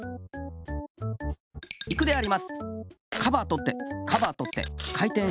いくであります。